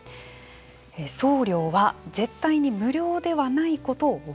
送料は絶対に無料ではないことを分かって。